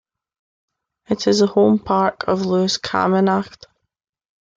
It is the home park of Lewis Camanachd.